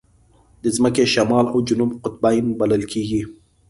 د ځمکې شمال او جنوب قطبین بلل کېږي.